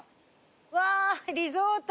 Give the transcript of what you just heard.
うわリゾート。